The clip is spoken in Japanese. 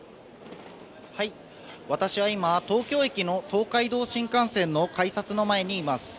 私は今、東京駅の東海道新幹線の改札の前にいます。